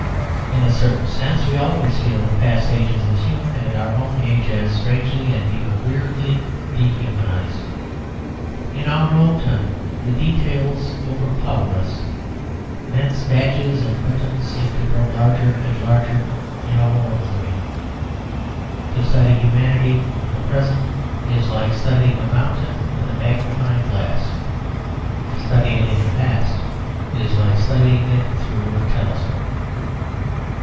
In a certain sense we always feel the past ages as human, and our own age as strangely and even weirdly dehumanised. In our own time the details overpower us; men's badges and buttons seem to grow larger and larger as in a horrible dream. To study humanity in the present is like studying a mountain with a magnifying glass; to study it in the past is like studying it through a telescope.